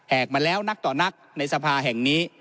ออกมาแล้วนักต่อนักในสภาแห่งนี้